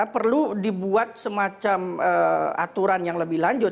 perlu dibuat semacam aturan yang lebih lanjut